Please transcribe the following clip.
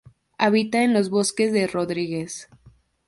Habita en los bosques de Rodrigues.